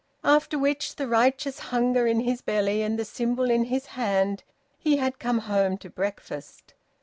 After which, with righteous hunger in his belly and the symbol in his hand, he had come home to breakfast.